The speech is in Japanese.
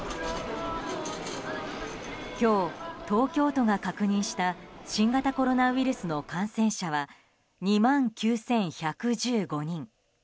今日、東京都が確認した新型コロナウイルスの感染者は２万９１１５人。